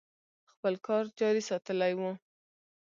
خپل کار جاري ساتلی و.